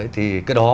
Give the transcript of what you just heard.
thì cái đó